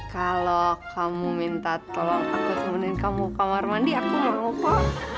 kalau kamu minta tolong aku temenin kamu ke kamar mandi aku mau lupa